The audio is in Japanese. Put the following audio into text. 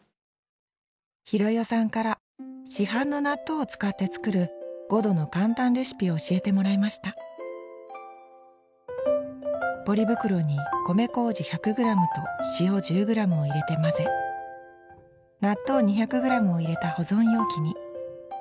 浩代さんから市販の納豆を使って作るごどの簡単レシピを教えてもらいましたポリ袋に米麹１００グラムと塩１０グラムを入れて混ぜ納豆２００グラムを入れた保存容器に。